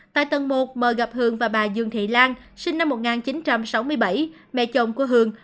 tại tầng một m gặp hường và bà dương thị lan sinh năm một nghìn chín trăm sáu mươi bảy mẹ chồng của hường